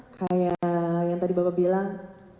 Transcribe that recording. kayak yang tadi bapak bilang